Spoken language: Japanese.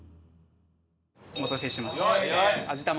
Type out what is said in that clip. お待たせしました。